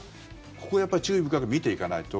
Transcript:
ここをやっぱり注意深く見ていかないと。